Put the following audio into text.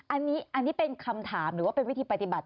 อันนี้เป็นคำถามหรือว่าเป็นวิธีปฏิบัติ